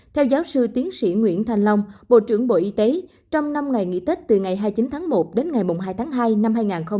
theo giáo sư tiến sĩ nguyễn thanh long bộ trưởng bộ y tế trong năm ngày nghỉ tết từ ngày hai mươi chín tháng một đến ngày hai tháng hai năm hai nghìn hai mươi